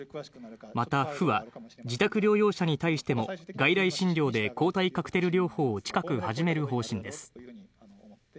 また府は、自宅療養者に対しても、外来診療で抗体カクテル療法を近く始める方針です。